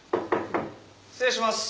失礼します。